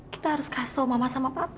kita harus kasih tahu mama sama papa